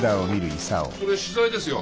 それ取材ですよ。